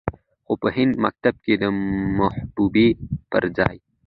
خو په هندي مکتب کې د محبوبې پرځاى